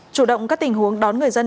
chủ động các tình huống đón người dân